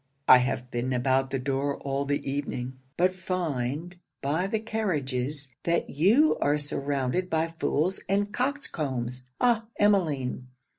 I have been about the door all the evening; but find, by the carriages, that you are surrounded by fools and coxcombs. Ah! Emmeline!